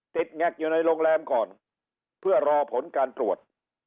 แงกอยู่ในโรงแรมก่อนเพื่อรอผลการตรวจ